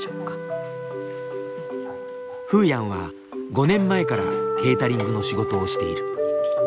フーヤンは５年前からケータリングの仕事をしている。